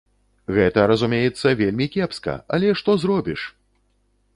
Гэта, разумеецца, вельмі кепска, але што зробіш!